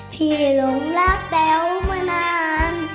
พี่หลงรับแก้วมานาน